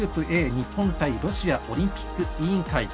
日本対ロシアオリンピック委員会。